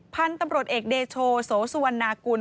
พันธุ์ตำรวจเอกเดชโชว์โสวนากุล